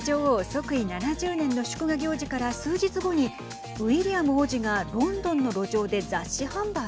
即位７０年の祝賀行事から数日後にウィリアム王子がロンドンの路上で雑誌販売。